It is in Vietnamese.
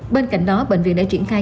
bên cạnh đó bệnh viện đã triển khai